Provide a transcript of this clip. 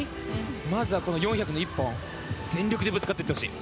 まずは４００ｍの１本全力でぶつかっていってほしい。